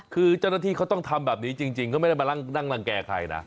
คือเจ้าหน้าที่เขาต้องทำแบบนี้จริงก็ไม่ได้มานั่งรังแก่ใครนะ